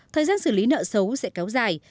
thời gian xử lý nợ xấu sẽ kéo dài